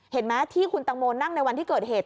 เห็นไหมที่คุณตังโมนั่งในวันที่เกิดเหตุ